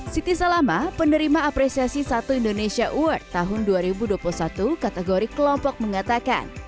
siti salama penerima apresiasi satu indonesia award tahun dua ribu dua puluh satu kategori kelompok mengatakan